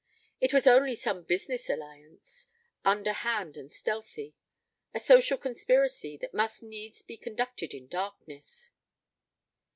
It was only some business alliance, underhand and stealthy; a social conspiracy, that must needs be conducted in darkness.